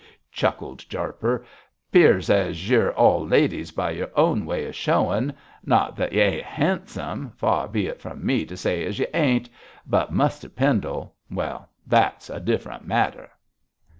chuckled Jarper, ''pears as yer all ladies by your own way of showin'. Not that y'ain't 'andsome far be it from me to say as you ain't but Muster Pendle well, that's a different matter.'